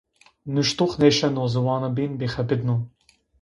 Nuştox nêşêno ziwano bîn bixebitno